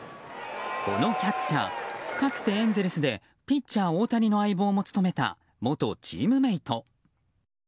このキャッチャーかつてエンゼルスでピッチャー大谷の相棒も務めた元チームメート。